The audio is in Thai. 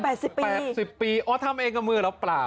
แปดสิบปีอ๋อทำเองกับมือหรือเปล่า